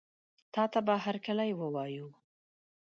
تاته به هرکلی ووایو.